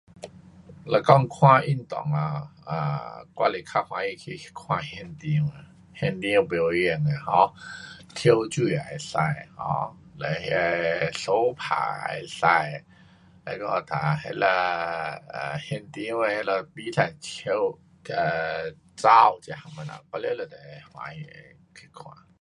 若讲看运动 um 啊，我是较欢喜是看现场，现场表演啊 um 跳水也可以 um 嘞那相打也可以，那个哒那呐场的啊现场的就比赛球，um 跑这样东西，我全部都会欢喜去看。